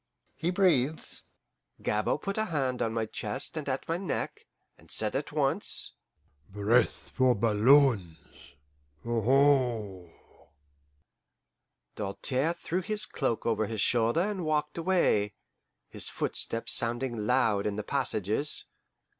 He breathes?" Gabord put a hand on my chest and at my neck, and said at once, "Breath for balloons aho!" Doltaire threw his cloak over his shoulder and walked away, his footsteps sounding loud in the passages.